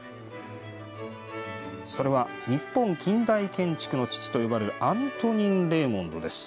それは日本近代建築の父と呼ばれるアントニン・レーモンドです。